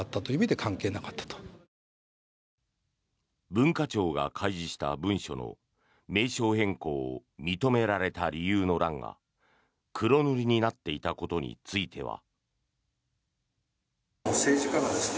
文化庁が開示した文書の名称変更を認められた理由の欄が黒塗りになっていたことについては。